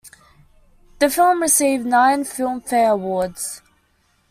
The film received nine Filmfare Awards.